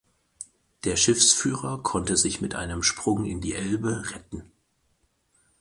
Der Schiffsführer konnte sich mit einem Sprung in die Elbe retten.